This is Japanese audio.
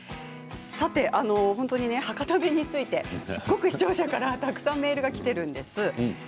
本当に博多弁についてすごく視聴者からたくさんメールがきているんです。